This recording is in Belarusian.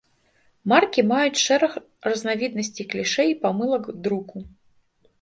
Маркі маюць шэраг разнавіднасцей клішэ і памылак друку.